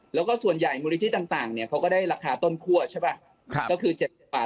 และก็ส่วนใหญ่มูลยิ่ธิอีกเง่นหน่านี้เขาก็ได้ราคาต้นคั่วใช่ป่ะก็คือ๗๐บาท๔๐บาท